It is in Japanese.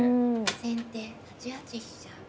先手８八飛車。